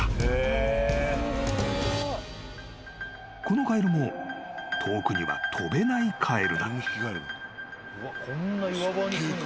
［このカエルも遠くには跳べないカエルだ］